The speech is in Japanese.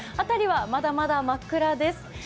辺りはまだまだ真っ暗です。